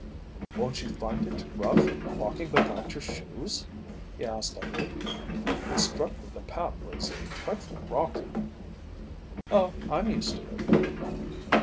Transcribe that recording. "Won't you find it rough walking without your shoes?" he asked Edward. "It struck me the path was a trifle rocky." "Oh, I'm used to it."